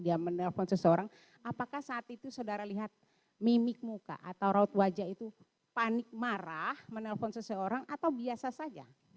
dia menelpon seseorang apakah saat itu saudara lihat mimik muka atau raut wajah itu panik marah menelpon seseorang atau biasa saja